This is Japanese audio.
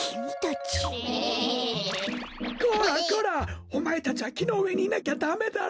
こらこらおまえたちはきのうえにいなきゃダメだろ。